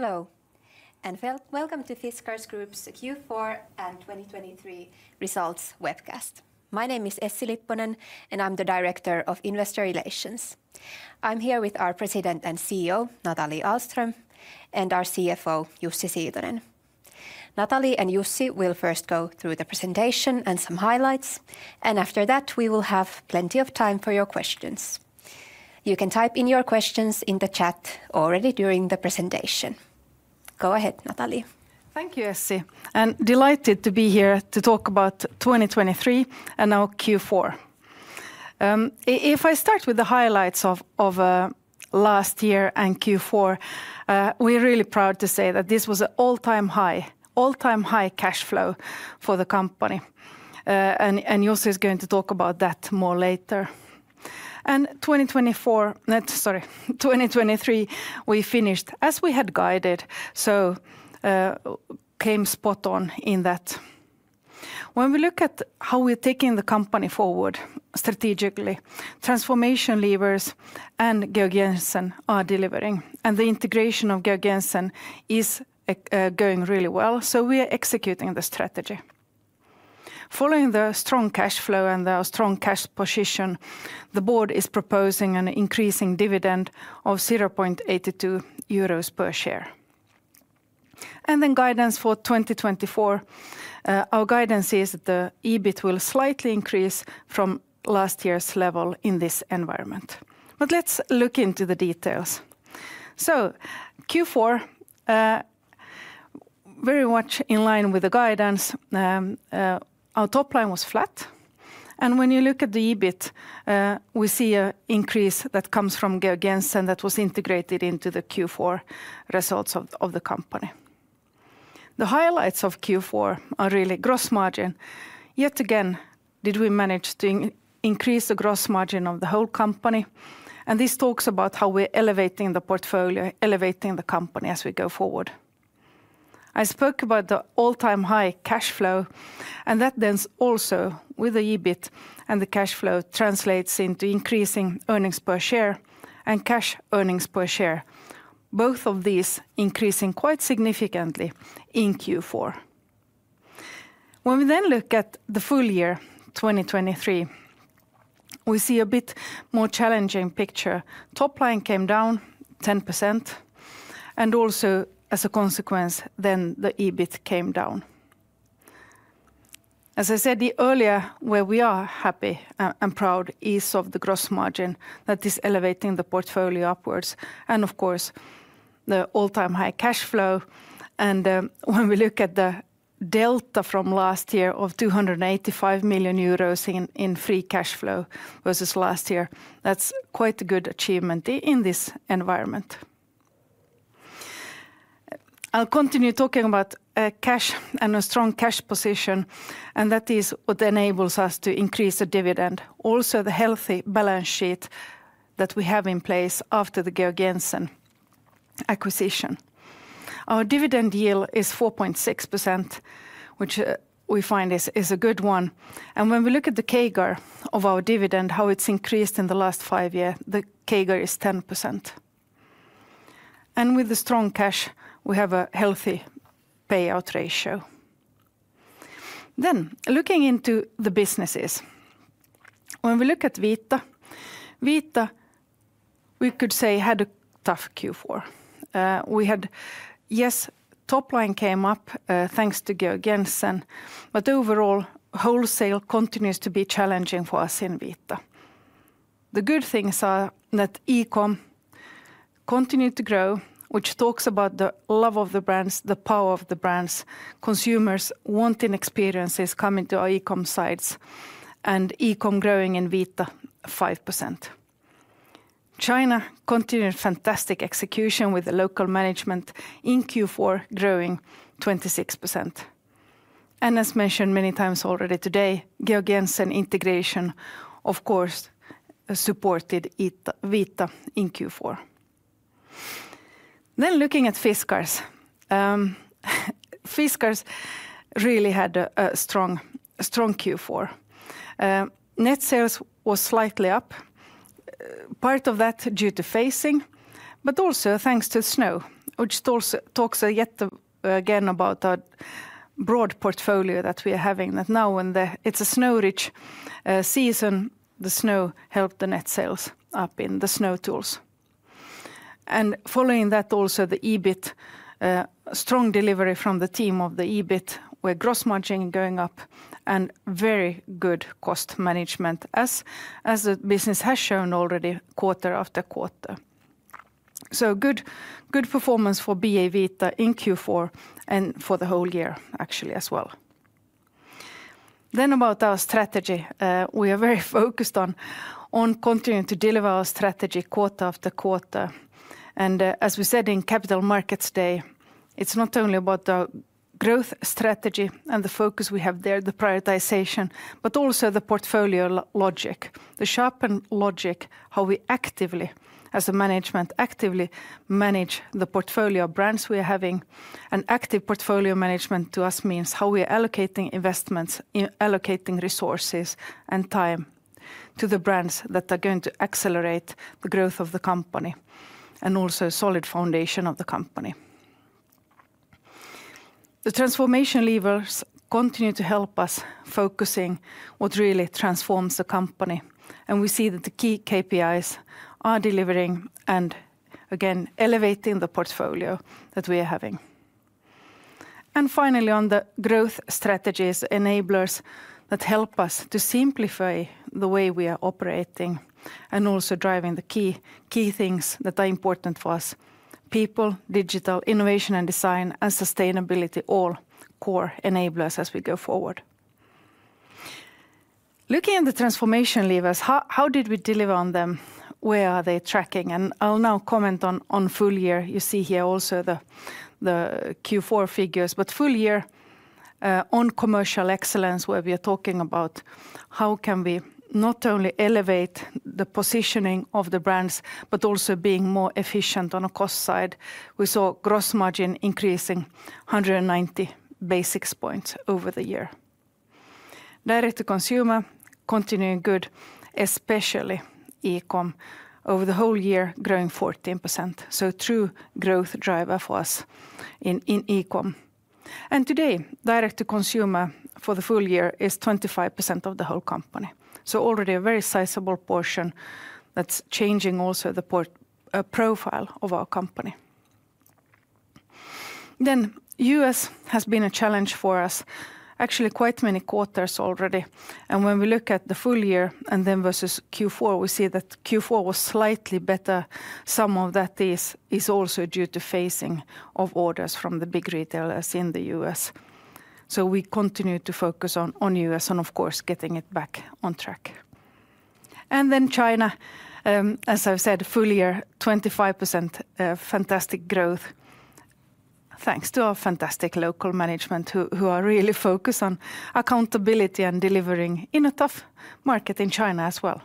Hello, and welcome to Fiskars Group's Q4 and 2023 results webcast. My name is Essi Lipponen, and I'm the Director of Investor Relations. I'm here with our President and CEO, Nathalie Ahlström, and our CFO, Jussi Siitonen. Nathalie and Jussi will first go through the presentation and some highlights, and after that, we will have plenty of time for your questions. You can type in your questions in the chat already during the presentation. Go ahead, Nathalie. Thank you, Essi, and delighted to be here to talk about 2023 and now Q4. If I start with the highlights of last year and Q4, we're really proud to say that this was an all-time high, all-time high cash flow for the company. Jussi is going to talk about that more later. 2024, no, sorry, 2023, we finished as we had guided, so came spot on in that. When we look at how we're taking the company forward strategically, transformation levers and Georg Jensen are delivering, and the integration of Georg Jensen is going really well, so we are executing the strategy. Following the strong cash flow and the strong cash position, the board is proposing an increasing dividend of 0.82 euros per share. Then guidance for 2024, our guidance is the EBIT will slightly increase from last year's level in this environment. But let's look into the details. So Q4, very much in line with the guidance. Our top line was flat, and when you look at the EBIT, we see an increase that comes from Georg Jensen that was integrated into the Q4 results of the company. The highlights of Q4 are really gross margin. Yet again, did we manage to increase the gross margin of the whole company, and this talks about how we're elevating the portfolio, elevating the company as we go forward. I spoke about the all-time high cash flow, and that then also, with the EBIT and the cash flow, translates into increasing earnings per share and cash earnings per share, both of these increasing quite significantly in Q4. When we then look at the full year, 2023, we see a bit more challenging picture. Top line came down 10%, and also, as a consequence, then the EBIT came down. As I said earlier, where we are happy and proud is of the gross margin that is elevating the portfolio upwards and, of course, the all-time high cash flow. And when we look at the delta from last year of 285 million euros in free cash flow versus last year, that's quite a good achievement in this environment. I'll continue talking about cash and a strong cash position, and that is what enables us to increase the dividend, also the healthy balance sheet that we have in place after the Georg Jensen acquisition. Our dividend yield is 4.6%, which we find is a good one. When we look at the CAGR of our dividend, how it's increased in the last five year, the CAGR is 10%. With the strong cash, we have a healthy payout ratio. Looking into the businesses, when we look at Vita, Vita, we could say, had a tough Q4. Yes, top line came up, thanks to Georg Jensen, but overall, wholesale continues to be challenging for us in Vita. The good things are that e-com continued to grow, which talks about the love of the brands, the power of the brands, consumers wanting experiences coming to our e-com sites, and e-com growing in Vita 5%. China continued fantastic execution with the local management in Q4, growing 26%. As mentioned many times already today, Georg Jensen integration, of course, supported Ita- Vita in Q4. Looking at Fiskars. Fiskars really had a strong, strong Q4. Net sales was slightly up, part of that due to phasing, but also thanks to snow, which also talks yet again about the broad portfolio that we are having, that now when it's a snow-rich season, the snow helped the net sales up in the snow tools. And following that, also, the EBIT, strong delivery from the team of the EBIT, where gross margin going up and very good cost management, as the business has shown already quarter after quarter. So good, good performance for Vita in Q4 and for the whole year, actually, as well. Then about our strategy, we are very focused on continuing to deliver our strategy quarter after quarter. As we said in Capital Markets Day, it's not only about the growth strategy and the focus we have there, the prioritization, but also the portfolio logic, the sharpened logic, how we actively, as a management, actively manage the portfolio brands we are having. An active portfolio management to us means how we are allocating investments, allocating resources and time to the brands that are going to accelerate the growth of the company, and also solid foundation of the company. The transformation levers continue to help us focusing what really transforms the company, and we see that the key KPIs are delivering and, again, elevating the portfolio that we are having. Finally, on the growth strategies, enablers that help us to simplify the way we are operating, and also driving the key, key things that are important for us: people, digital, innovation and design, and sustainability, all core enablers as we go forward. Looking at the transformation levers, how did we deliver on them? Where are they tracking? And I'll now comment on full year. You see here also the Q4 figures, but full year, on commercial excellence, where we are talking about how can we not only elevate the positioning of the brands, but also being more efficient on a cost side. We saw gross margin increasing 190 basis points over the year. Direct-to-consumer continuing good, especially e-com, over the whole year, growing 14%, so true growth driver for us in e-com. And today, direct-to-consumer for the full year is 25% of the whole company, so already a very sizable portion that's changing also the profile of our company. Then U.S. has been a challenge for us, actually quite many quarters already, and when we look at the full year and then versus Q4, we see that Q4 was slightly better. Some of that is also due to phasing of orders from the big retailers in the U.S. So we continue to focus on U.S. and, of course, getting it back on track. And then China, as I've said, full year, 25% fantastic growth, thanks to our fantastic local management, who are really focused on accountability and delivering in a tough market in China as well.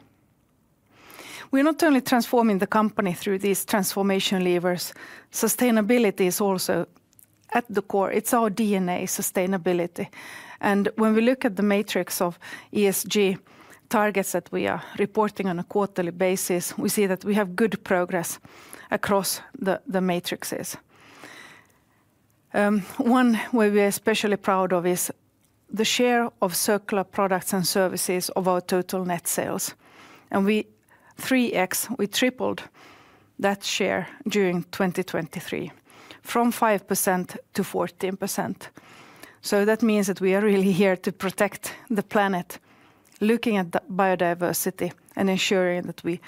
We're not only transforming the company through these transformation levers, sustainability is also at the core. It's our DNA, sustainability. When we look at the matrix of ESG targets that we are reporting on a quarterly basis, we see that we have good progress across the matrices. One way we're especially proud of is the share of circular products and services of our total net sales, and we 3x, we tripled that share during 2023, from 5% to 14%. So that means that we are really here to protect the planet, looking at the biodiversity and ensuring that we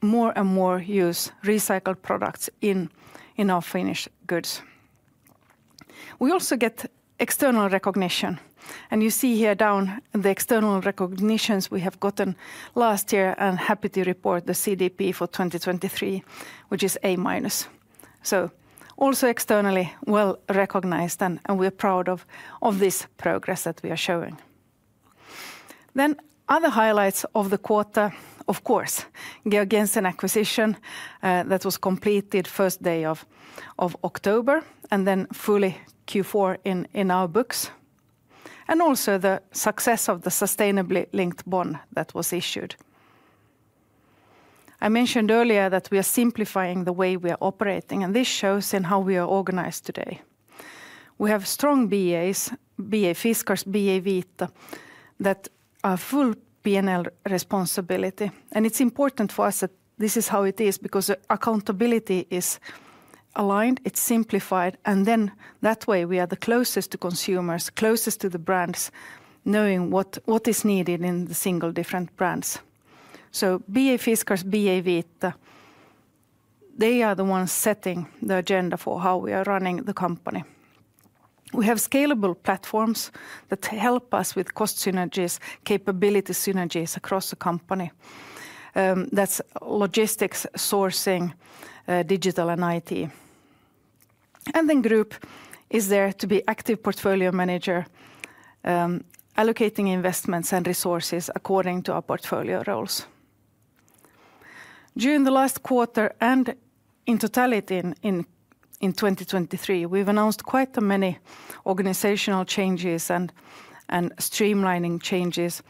more and more use recycled products in our finished goods. We also get external recognition, and you see here down the external recognitions we have gotten last year, and happy to report the CDP for 2023, which is A-. So also externally well-recognized, and we're proud of this progress that we are showing. Then other highlights of the quarter, of course, Georg Jensen acquisition, that was completed first day of October, and then fully Q4 in our books, and also the success of the sustainability-linked bond that was issued. I mentioned earlier that we are simplifying the way we are operating, and this shows in how we are organized today. We have strong BAs, BA Fiskars, BA Vita, that are full P&L responsibility, and it's important for us that this is how it is, because accountability is aligned, it's simplified, and then that way, we are the closest to consumers, closest to the brands, knowing what is needed in the single different brands. So BA Fiskars, BA Vita, they are the ones setting the agenda for how we are running the company. We have scalable platforms that help us with cost synergies, capability synergies across the company. That's logistics, sourcing, digital, and IT. And then group is there to be active portfolio manager, allocating investments and resources according to our portfolio roles. During the last quarter and in totality in 2023, we've announced quite a many organizational changes and streamlining changes.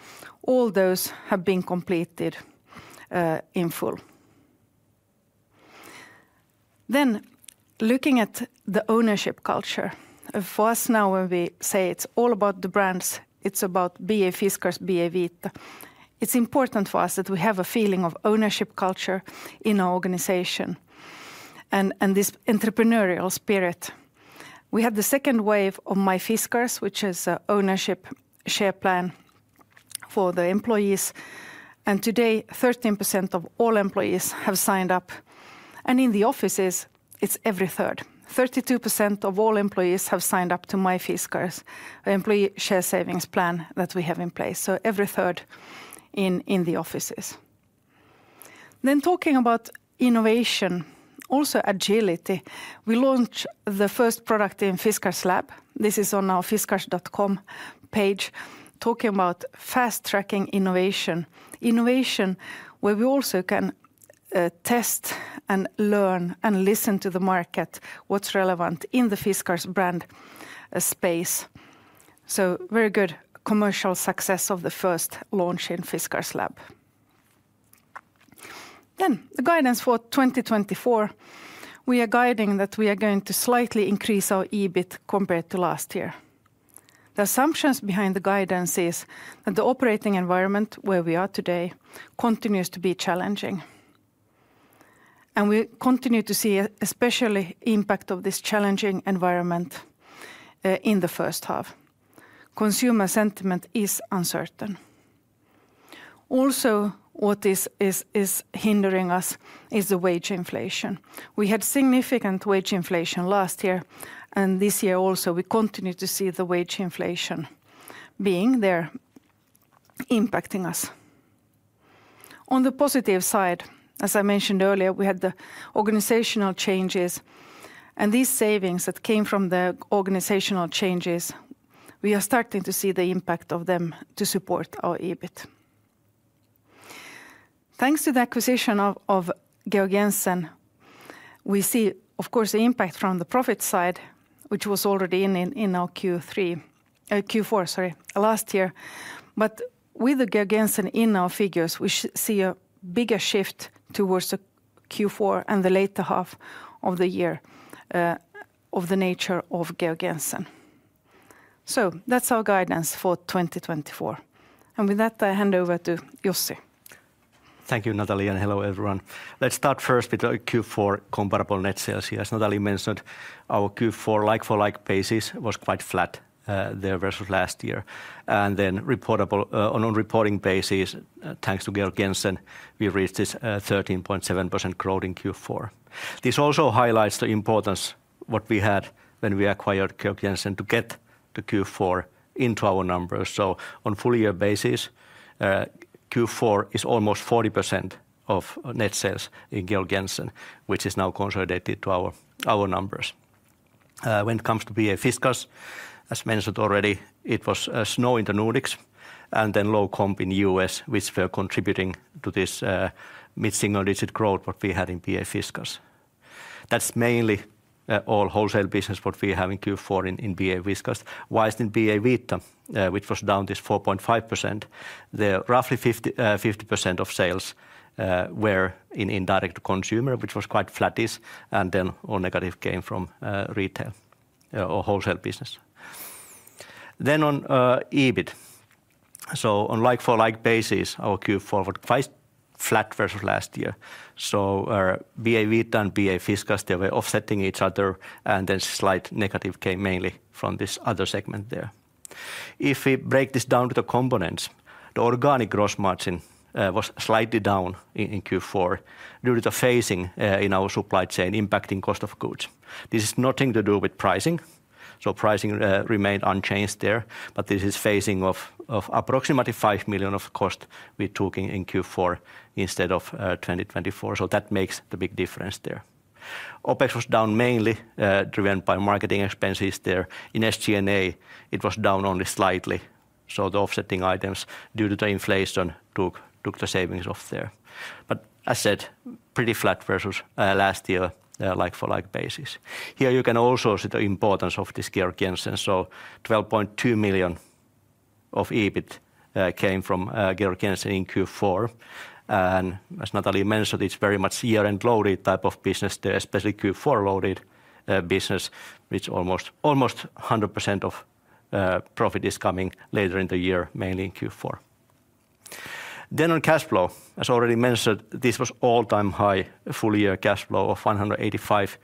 All those have been completed in full. Then, looking at the ownership culture, for us now, when we say it's all about the brands, it's about BA Fiskars, BA Vita. It's important for us that we have a feeling of ownership culture in our organization and this entrepreneurial spirit. We had the second wave of MyFiskars, which is an ownership share plan for the employees, and today, 13% of all employees have signed up, and in the offices, it's every third. 32% of all employees have signed up to MyFiskars employee share savings plan that we have in place, so every third in the offices. Then talking about innovation, also agility, we launched the first product in Fiskars Lab. This is on our fiskars.com page, talking about fast-tracking innovation, innovation where we also can test and learn and listen to the market, what's relevant in the Fiskars brand space. So very good commercial success of the first launch in Fiskars Lab. Then the guidance for 2024, we are guiding that we are going to slightly increase our EBIT compared to last year. The assumptions behind the guidance is that the operating environment, where we are today, continues to be challenging, and we continue to see especially impact of this challenging environment in the first half. Consumer sentiment is uncertain. Also, what is hindering us is the wage inflation. We had significant wage inflation last year, and this year also, we continue to see the wage inflation being there, impacting us. On the positive side, as I mentioned earlier, we had the organizational changes and these savings that came from the organizational changes, we are starting to see the impact of them to support our EBIT. Thanks to the acquisition of Georg Jensen, we see, of course, the impact from the profit side, which was already in our Q3, Q4, sorry, last year. But with the Georg Jensen in our figures, we see a bigger shift towards the Q4 and the later half of the year of the nature of Georg Jensen. So that's our guidance for 2024. And with that, I hand over to Jussi. Thank you, Nathalie, and hello, everyone. Let's start first with our Q4 comparable net sales here. As Nathalie mentioned, our Q4 like-for-like basis was quite flat there versus last year. And then reportable basis, thanks to Georg Jensen, we've reached this 13.7% growth in Q4. This also highlights the importance what we had when we acquired Georg Jensen, to get the Q4 into our numbers. So on full year basis, Q4 is almost 40% of net sales in Georg Jensen, which is now consolidated to our numbers. When it comes to BA Fiskars, as mentioned already, it was snow in the Nordics and then low comp in U.S., which were contributing to this mid-single-digit growth what we had in BA Fiskars. That's mainly all wholesale business what we have in Q4 in BA Fiskars. While in BA Vita, which was down 4.5%, roughly 50% of sales were in direct consumer, which was quite flattish, and then all negative came from retail or wholesale business. Then on EBIT. So on like-for-like basis, our Q4 was quite flat versus last year. So our BA Vita and BA Fiskars, they were offsetting each other, and then slight negative came mainly from this other segment there. If we break this down to the components, the organic gross margin was slightly down in Q4 due to the phasing in our supply chain, impacting cost of goods. This is nothing to do with pricing, so pricing remained unchanged there, but this is phasing of approximately 5 million of cost we're talking in Q4 instead of 2024. So that makes the big difference there. OpEx was down, mainly driven by marketing expenses there. In SG&A, it was down only slightly, so the offsetting items, due to the inflation, took the savings off there. But as said, pretty flat versus last year, like-for-like basis. Here, you can also see the importance of this Georg Jensen, so 12.2 million of EBIT came from Georg Jensen in Q4. And as Nathalie mentioned, it's very much year-end loaded type of business there, especially Q4 loaded business, which almost 100% of profit is coming later in the year, mainly in Q4. Then on cash flow, as already mentioned, this was all-time high full-year cash flow of 185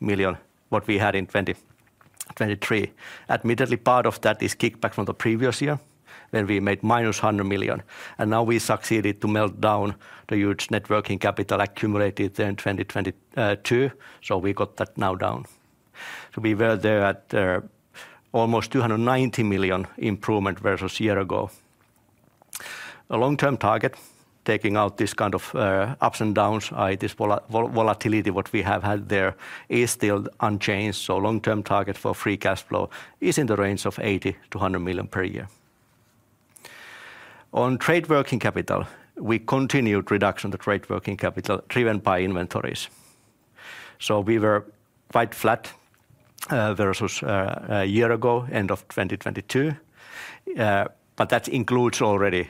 million, what we had in 2023. Admittedly, part of that is kick back from the previous year, when we made -100 million, and now we succeeded to melt down the huge net working capital accumulated in 2022. So we got that now down. So we were there at almost 290 million improvement versus year ago. A long-term target, taking out this kind of ups and downs, this volatility what we have had there, is still unchanged, so long-term target for free cash flow is in the range of 80-100 million per year. On trade working capital, we continued reduction the trade working capital, driven by inventories. So we were quite flat versus a year ago, end of 2022, but that includes already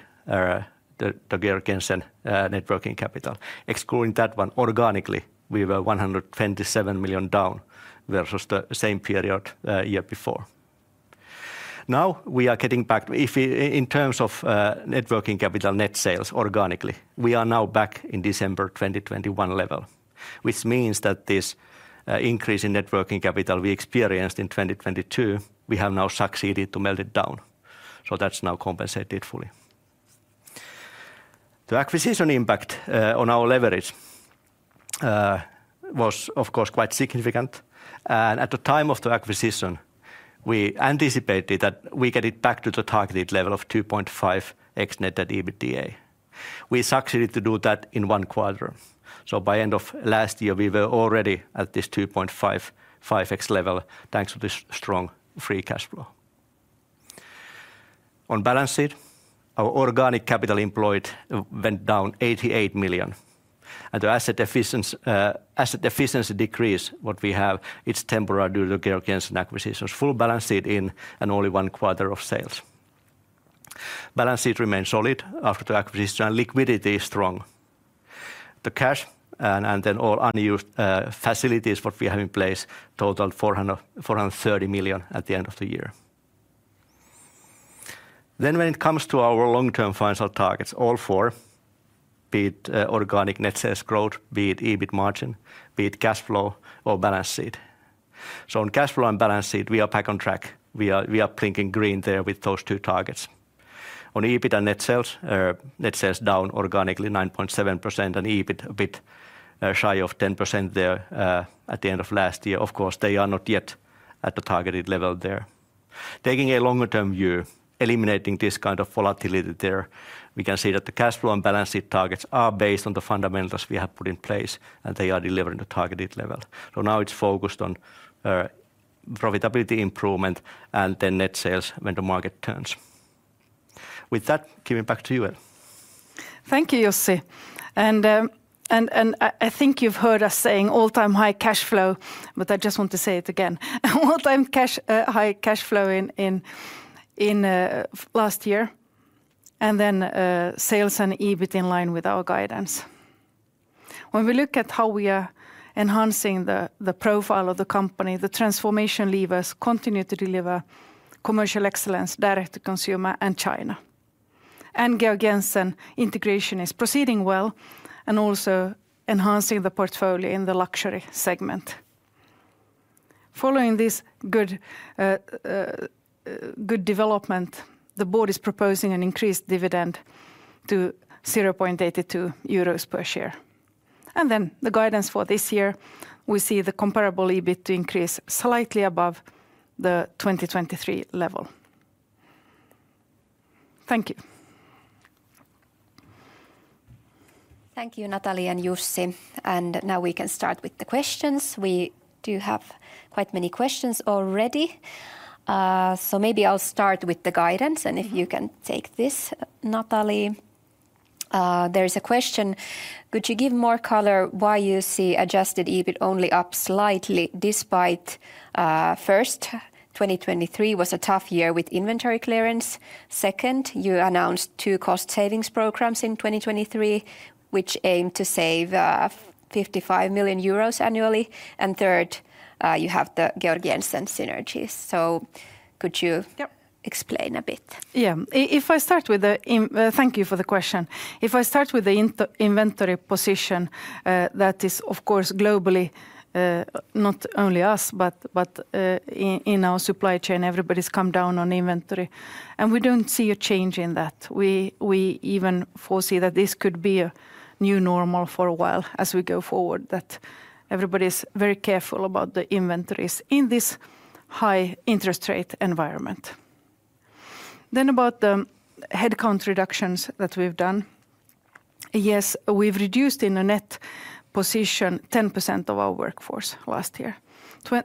the Georg Jensen net working capital. Excluding that one, organically, we were 127 million down versus the same period, year before. Now, we are getting back... If we in terms of, net working capital, net sales, organically, we are now back in December 2021 level, which means that this, increase in net working capital we experienced in 2022, we have now succeeded to melt it down. So that's now compensated fully. The acquisition impact, on our leverage, was of course, quite significant, and at the time of the acquisition, we anticipated that we get it back to the targeted level of 2.5x net debt to EBITDA. We succeeded to do that in one quarter. So by end of last year, we were already at this 2.55x level, thanks to this strong free cash flow.... On balance sheet, our organic capital employed went down 88 million. And the asset efficiency decrease what we have, it's temporary due to Georg Jensen acquisitions. Full balance sheet in and only one quarter of sales. Balance sheet remains solid after the acquisition, and liquidity is strong. The cash and, and then all unused facilities what we have in place totaled 430 million at the end of the year. Then when it comes to our long-term financial targets, all four, be it organic net sales growth, be it EBIT margin, be it cash flow or balance sheet. So on cash flow and balance sheet, we are back on track. We are, we are blinking green there with those two targets. On EBIT and net sales, net sales down organically 9.7%, and EBIT a bit, shy of 10% there, at the end of last year. Of course, they are not yet at the targeted level there. Taking a longer term view, eliminating this kind of volatility there, we can see that the cash flow and balance sheet targets are based on the fundamentals we have put in place, and they are delivering the targeted level. So now it's focused on, profitability improvement and then net sales when the market turns. With that, giving back to you, Essi. Thank you, Jussi. And I think you've heard us saying all-time high cash flow, but I just want to say it again. All-time high cash flow in last year, and then sales and EBIT in line with our guidance. When we look at how we are enhancing the profile of the company, the transformation levers continue to deliver commercial excellence, direct to consumer, and China. And Georg Jensen integration is proceeding well and also enhancing the portfolio in the luxury segment. Following this good development, the board is proposing an increased dividend to 0.82 euros per share. And then the guidance for this year, we see the comparable EBIT increase slightly above the 2023 level. Thank you. Thank you, Nathalie and Jussi. Now we can start with the questions. We do have quite many questions already. So maybe I'll start with the guidance, and if you can take this, Nathalie. There is a question: Could you give more color why you see adjusted EBIT only up slightly despite, first, 2023 was a tough year with inventory clearance? Second, you announced two cost savings programs in 2023, which aimed to save 55 million euros annually. And third, you have the Georg Jensen synergies. So could you- Yep... explain a bit? Yeah. Thank you for the question. If I start with the inventory position, that is, of course, globally, not only us, but our supply chain, everybody's come down on inventory, and we don't see a change in that. We even foresee that this could be a new normal for a while as we go forward, that everybody's very careful about the inventories in this high interest rate environment. Then about the headcount reductions that we've done. Yes, we've reduced in a net position 10% of our workforce last year.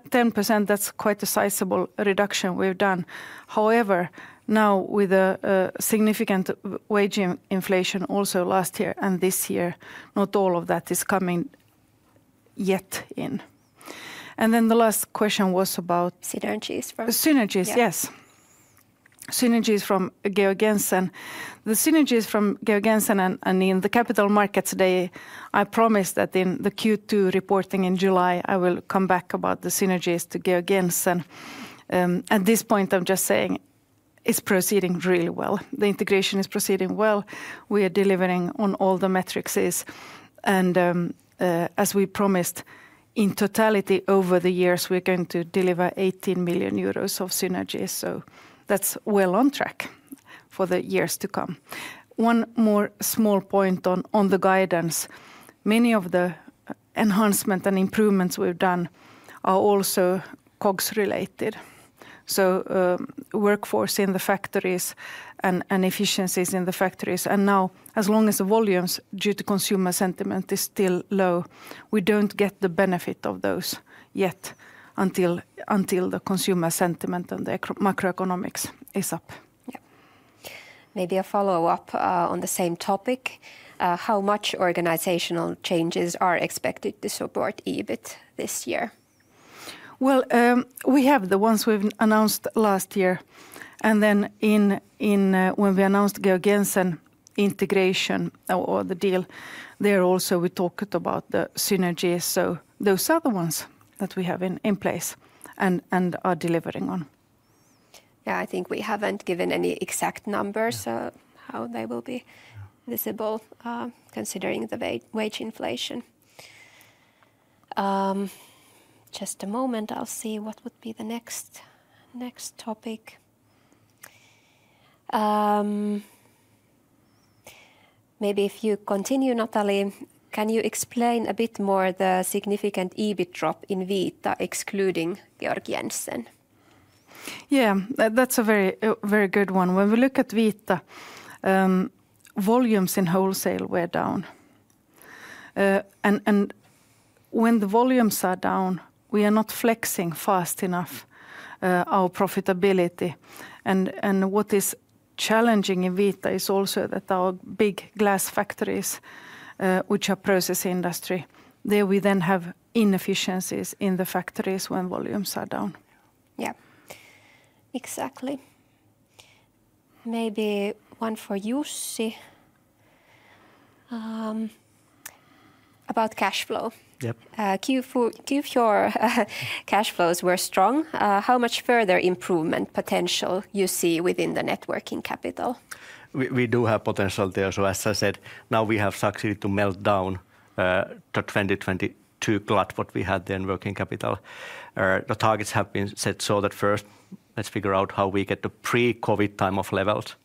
Ten percent, that's quite a sizable reduction we've done. However, now with a significant wage inflation also last year and this year, not all of that is coming yet in. And then the last question was about- Synergies from- Synergies, yes. Yeah. Synergies from Georg Jensen. The synergies from Georg Jensen and in the capital markets today, I promise that in the Q2 reporting in July, I will come back about the synergies to Georg Jensen. At this point, I'm just saying it's proceeding really well. The integration is proceeding well. We are delivering on all the metrics. As we promised, in totality over the years, we're going to deliver 18 million euros of synergies, so that's well on track for the years to come. One more small point on the guidance. Many of the enhancement and improvements we've done are also COGS related, so workforce in the factories and efficiencies in the factories. Now, as long as the volumes, due to consumer sentiment, is still low, we don't get the benefit of those yet until the consumer sentiment and the macroeconomics is up. Yeah. Maybe a follow-up on the same topic. How much organizational changes are expected to support EBIT this year? Well, we have the ones we've announced last year, and then in, when we announced Georg Jensen integration or the deal, there also we talked about the synergies. So those are the ones that we have in place and are delivering on. Yeah, I think we haven't given any exact numbers of how they will be visible, considering the wage inflation. Just a moment, I'll see what would be the next, next topic. Maybe if you continue, Nathalie, can you explain a bit more the significant EBIT drop in Vita, excluding Georg Jensen? Yeah. That, that's a very, very good one. When we look at Vita, volumes in wholesale were down. And, and when the volumes are down, we are not flexing fast enough, our profitability. And, and what is challenging in Vita is also that our big glass factories, which are processing industry, there we then have inefficiencies in the factories when volumes are down. Yeah, exactly. Maybe one for Jussi, about cash flow. Yep. Q4, Q4 cash flows were strong. How much further improvement potential you see within the net working capital? We do have potential there. So as I said, now we have succeeded to melt down the 2022 glut what we had in working capital. The targets have been set, so that first, let's figure out how we get the pre-COVID time of levels,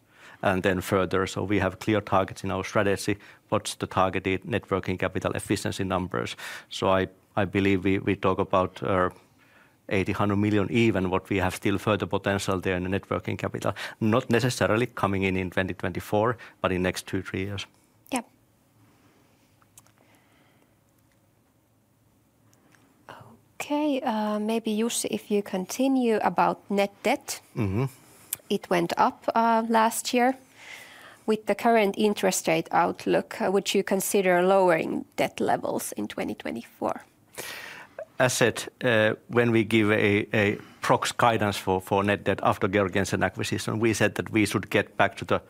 and then further. So we have clear targets in our strategy, what's the targeted net working capital efficiency numbers. So I believe we talk about 80-100 million, even what we have still further potential there in the net working capital, not necessarily coming in in 2024, but in next 2-3 years. Yeah. Okay, maybe, Jussi, if you continue about net debt. Mm-hmm. It went up last year. With the current interest rate outlook, would you consider lowering debt levels in 2024? As said, when we give a approx guidance for net debt after Georg Jensen acquisition, we said that we should get back to the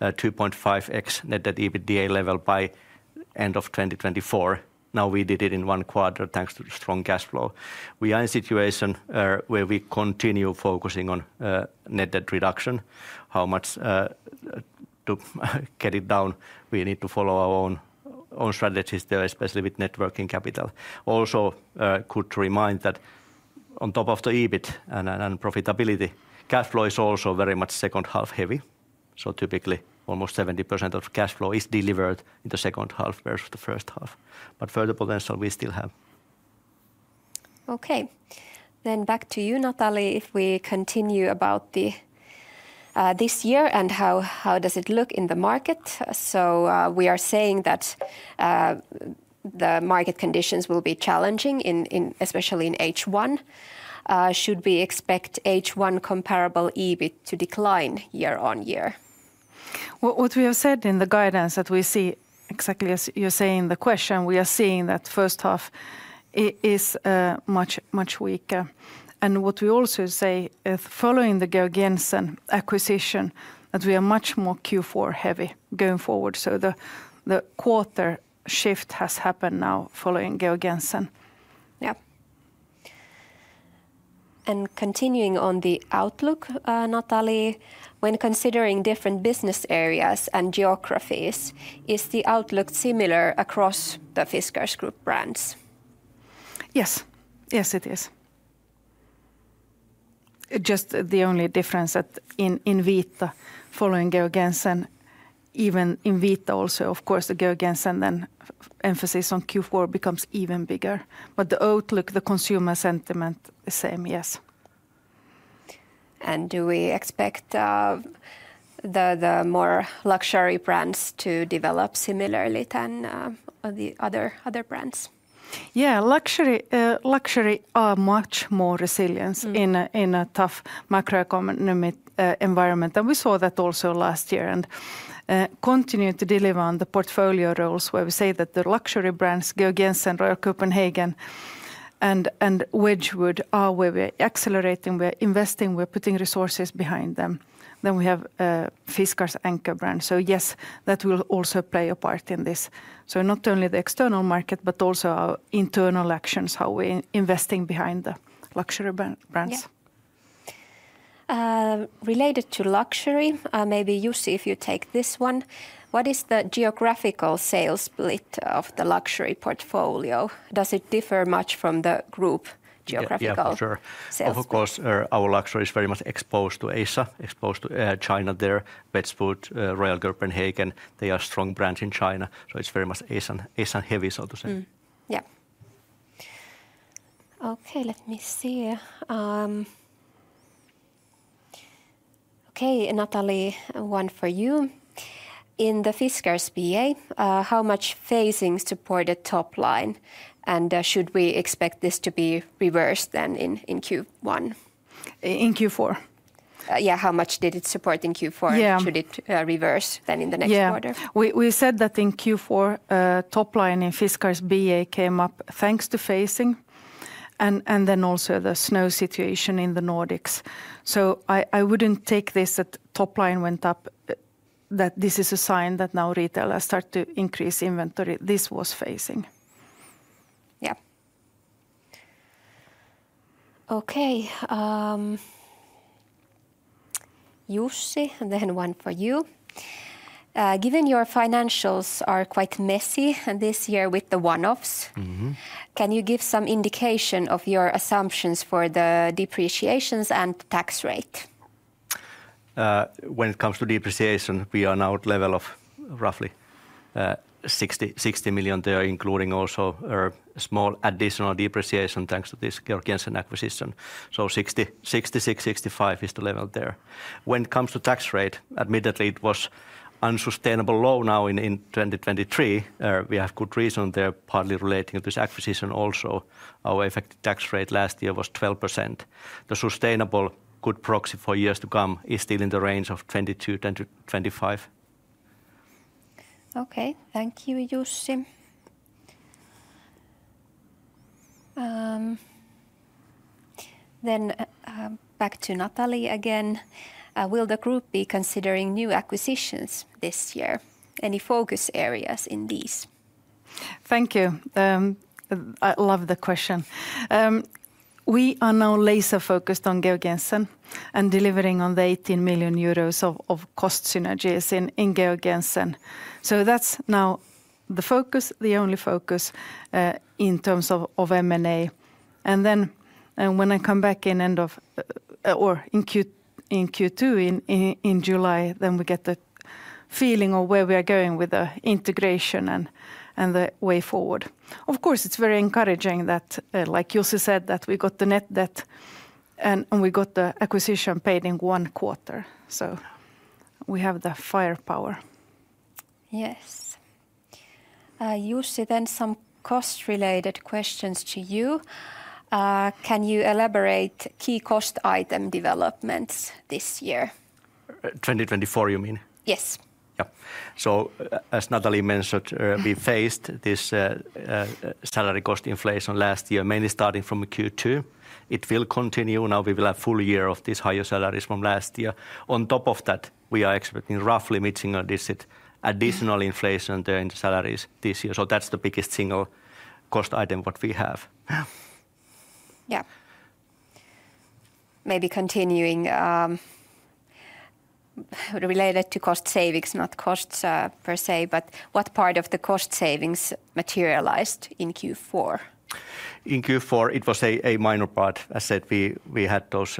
2.5x net debt EBITDA level by end of 2024. Now, we did it in one quarter, thanks to the strong cash flow. We are in a situation where we continue focusing on net debt reduction. How much to get it down, we need to follow our own strategies there, especially with net working capital. Also, could remind that on top of the EBIT and profitability, cash flow is also very much second-half heavy, so typically almost 70% of cash flow is delivered in the second half versus the first half. But further potential we still have. Okay. Then back to you, Nathalie, if we continue about this year and how does it look in the market? So, we are saying that the market conditions will be challenging, especially in H1. Should we expect H1 comparable EBIT to decline year-on-year? Well, what we have said in the guidance that we see, exactly as you're saying in the question, we are seeing that first half is much, much weaker. And what we also say, following the Georg Jensen acquisition, that we are much more Q4 heavy going forward, so the quarter shift has happened now following Georg Jensen. Yep. And continuing on the outlook, Nathalie, when considering different business areas and geographies, is the outlook similar across the Fiskars Group brands? Yes. Yes, it is. Just the only difference that in, in Vita, following Georg Jensen, even in Vita also, of course, the Georg Jensen, then emphasis on Q4 becomes even bigger. But the outlook, the consumer sentiment, the same, yes. Do we expect the more luxury brands to develop similarly than the other brands? Yeah, luxury, luxury are much more resilience- Mm... in a tough macroeconomic environment. We saw that also last year and continued to deliver on the portfolio roles, where we say that the luxury brands, Georg Jensen, Royal Copenhagen, and Wedgwood, are where we're accelerating, we're investing, we're putting resources behind them. Then we have Fiskars anchor brand. So yes, that will also play a part in this. So not only the external market, but also our internal actions, how we're investing behind the luxury brands. Yeah. Related to luxury, maybe, Jussi, if you take this one: What is the geographical sales split of the luxury portfolio? Does it differ much from the group geographical- Yeah, yeah, for sure.... sales split? Of course, our luxury is very much exposed to Asia, exposed to, China there. Wedgwood, Royal Copenhagen, they are strong brands in China, so it's very much Asian, Asian-heavy, so to say. Yeah. Okay, let me see. Okay, Nathalie, one for you. In the Fiskars BA, how much phasing supported top line, and should we expect this to be reversed then in Q1? In Q4? Yeah, how much did it support in Q4? Yeah... should it, reverse then in the next quarter? Yeah. We said that in Q4, top line in Fiskars BA came up, thanks to phasing and then also the snow situation in the Nordics. So I wouldn't take this that top line went up, that this is a sign that now retailers start to increase inventory. This was phasing. Yeah. Okay, Jussi, and then one for you. Given your financials are quite messy this year with the one-offs- Mm-hmm... can you give some indication of your assumptions for the depreciations and tax rate?... When it comes to depreciation, we are now at level of roughly 60 million there, including also small additional depreciation thanks to this Georg Jensen acquisition. So 65-66 million is the level there. When it comes to tax rate, admittedly, it was unsustainable low now in 2023. We have good reason there, partly relating to this acquisition also. Our effective tax rate last year was 12%. The sustainable good proxy for years to come is still in the range of 22%-25%. Okay. Thank you, Jussi. Then, back to Nathalie again. Will the group be considering new acquisitions this year? Any focus areas in these? Thank you. I love the question. We are now laser focused on Georg Jensen and delivering on the 18 million euros of cost synergies in Georg Jensen. So that's now the focus, the only focus in terms of M&A. And then, when I come back in end of or in Q2 in July, then we get the feeling of where we are going with the integration and the way forward. Of course, it's very encouraging that, like Jussi said, that we got the net debt and we got the acquisition paid in one quarter. So we have the firepower. Yes. Jussi, then some cost-related questions to you. Can you elaborate key cost item developments this year? 2024, you mean? Yes. Yeah. So as Nathalie mentioned, we faced this salary cost inflation last year, mainly starting from Q2. It will continue. Now we will have full year of these higher salaries from last year. On top of that, we are expecting roughly mid-single digit additional inflation during the salaries this year. So that's the biggest single cost item what we have. Yeah. Yeah. Maybe continuing, related to cost savings, not costs, per se, but what part of the cost savings materialized in Q4? In Q4, it was a minor part. I said we had those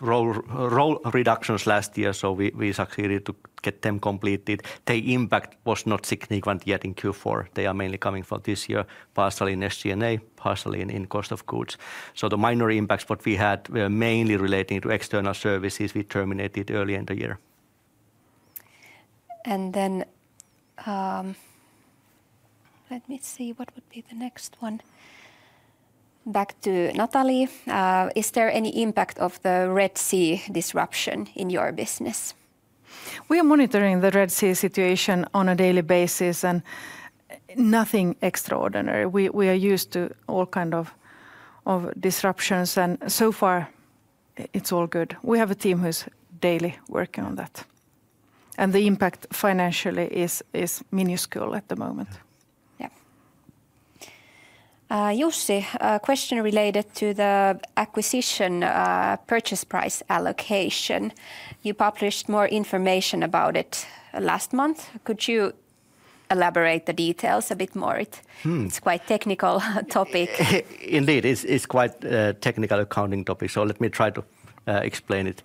role reductions last year, so we succeeded to get them completed. The impact was not significant yet in Q4. They are mainly coming for this year, partially in SG&A, partially in cost of goods. So the minor impacts what we had were mainly relating to external services we terminated early in the year. And then, let me see, what would be the next one? Back to Nathalie. Is there any impact of the Red Sea disruption in your business? We are monitoring the Red Sea situation on a daily basis, and nothing extraordinary. We are used to all kind of disruptions, and so far, it's all good. We have a team who's daily working on that, and the impact financially is minuscule at the moment. Yeah. Jussi, a question related to the acquisition, purchase price allocation. You published more information about it last month. Could you elaborate the details a bit more? Hmm. It's quite technical topic. Indeed, it's, it's quite a technical accounting topic, so let me try to explain it.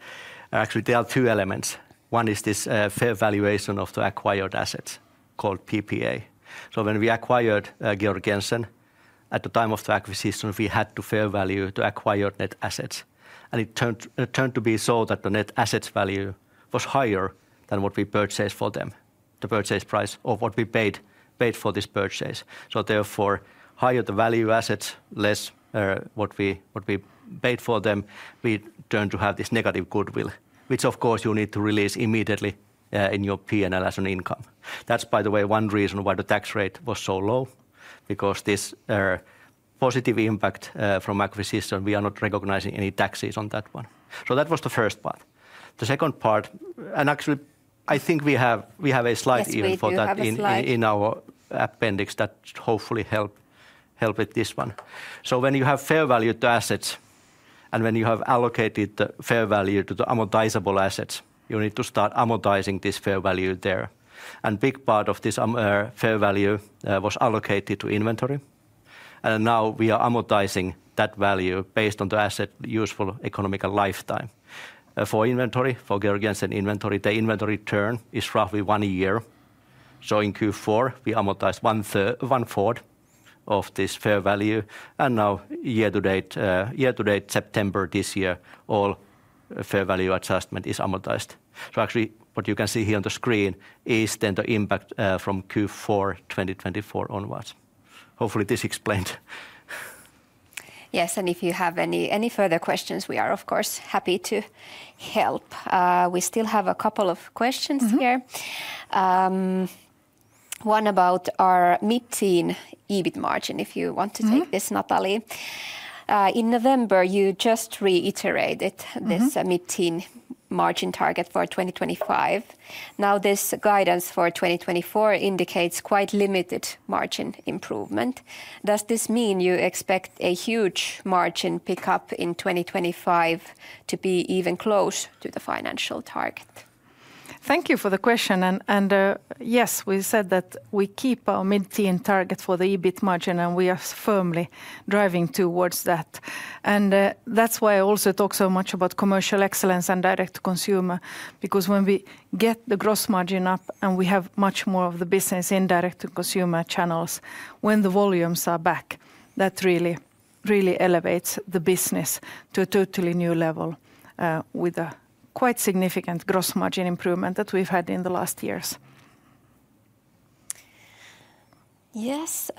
Actually, there are two elements. One is this fair valuation of the acquired assets called PPA. So when we acquired Georg Jensen, at the time of the acquisition, we had to fair value to acquire net assets, and it turned, it turned to be so that the net assets value was higher than what we purchased for them, the purchase price of what we paid, paid for this purchase. So therefore, higher the value assets, less what we, what we paid for them, we turn to have this negative goodwill, which, of course, you need to release immediately in your P&L as an income. That's, by the way, one reason why the tax rate was so low, because this positive impact from acquisition, we are not recognizing any taxes on that one. So that was the first part. The second part... And actually, I think we have a slide even for that- Yes, we do have a slide.... in our appendix that hopefully help with this one. So when you have fair value to assets, and when you have allocated the fair value to the amortizable assets, you need to start amortizing this fair value there. And big part of this fair value was allocated to inventory, and now we are amortizing that value based on the asset useful economic lifetime. For inventory, for Georg Jensen inventory, the inventory turn is roughly one a year. So in Q4, we amortize one third... one fourth of this fair value, and now year to date, year to date, September this year, all fair value adjustment is amortized. So actually, what you can see here on the screen is then the impact from Q4 2024 onwards. Hopefully, this explained. Yes, and if you have any, any further questions, we are, of course, happy to help. We still have a couple of questions here. Mm-hmm. One about our mid-teen EBIT margin, if you want to- Mm... take this, Nathalie. In November, you just reiterated- Mm... this mid-teen margin target for 2025. Now, this guidance for 2024 indicates quite limited margin improvement. Does this mean you expect a huge margin pickup in 2025 to be even close to the financial target? ... Thank you for the question. And, yes, we said that we keep our mid-teen target for the EBIT margin, and we are firmly driving towards that. And, that's why I also talk so much about commercial excellence and direct consumer, because when we get the gross margin up and we have much more of the business in direct-to-consumer channels, when the volumes are back, that really, really elevates the business to a totally new level, with a quite significant gross margin improvement that we've had in the last years. Yes,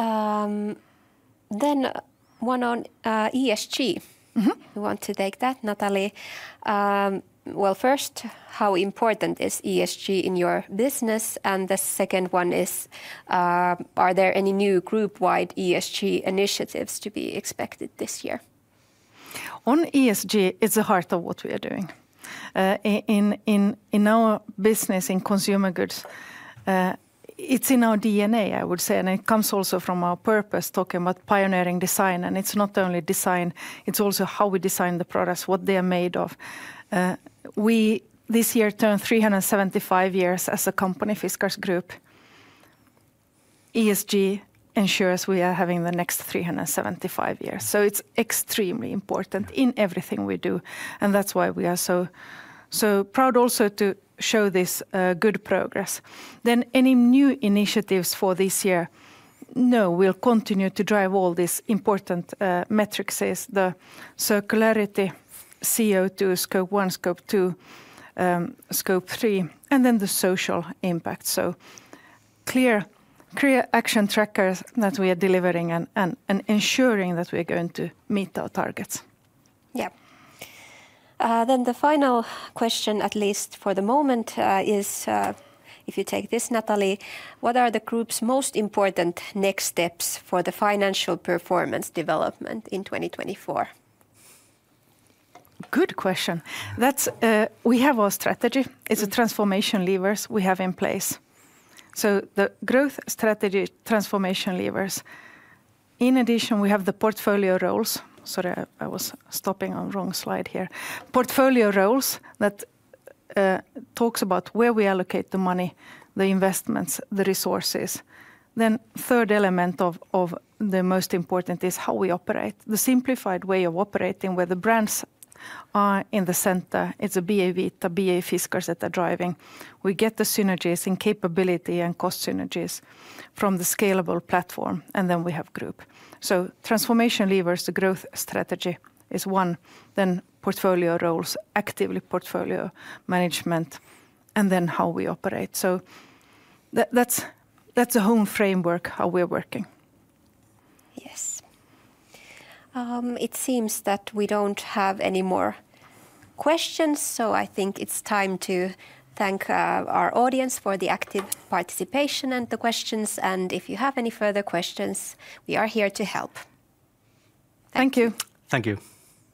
then one on ESG. Mm-hmm. You want to take that, Natalie? Well, first, how important is ESG in your business? And the second one is, are there any new group-wide ESG initiatives to be expected this year? On ESG, it's the heart of what we are doing. In our business, in consumer goods, it's in our DNA, I would say, and it comes also from our purpose, talking about pioneering design. And it's not only design, it's also how we design the products, what they are made of. This year, we turned 375 years as a company, Fiskars Group. ESG ensures we are having the next 375 years. So it's extremely important in everything we do, and that's why we are so, so proud also to show this good progress. Then, any new initiatives for this year? No, we'll continue to drive all these important metrics as the circularity, CO2, Scope 1, Scope 2, Scope 3, and then the social impact. So clear action trackers that we are delivering and ensuring that we're going to meet our targets. Yeah. Then the final question, at least for the moment, is, if you take this, Nathalie: What are the group's most important next steps for the financial performance development in 2024? Good question. That's... We have our strategy. It's the transformation levers we have in place, so the growth strategy transformation levers. In addition, we have the portfolio roles. Sorry, I was stopping on the wrong slide here. Portfolio roles that talks about where we allocate the money, the investments, the resources. Then third element of the most important is how we operate, the simplified way of operating, where the brands are in the center. It's a BA Vita, BA Fiskars that are driving. We get the synergies and capability and cost synergies from the scalable platform, and then we have group. So transformation levers, the growth strategy is one, then portfolio roles, actively portfolio management, and then how we operate. So that, that's a whole framework how we're working. Yes. It seems that we don't have any more questions, so I think it's time to thank our audience for the active participation and the questions. If you have any further questions, we are here to help. Thank you. Thank you.